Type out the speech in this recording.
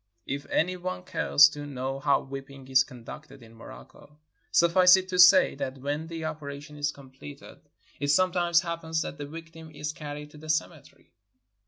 If any one cares to know how whipping is conducted in Morocco, suffice it to say that when the operation is completed it some times happens that the victim is carried to the cemetery.